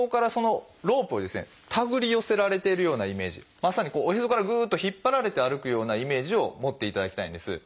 まさにおへそからぐっと引っ張られて歩くようなイメージを持っていただきたいんです。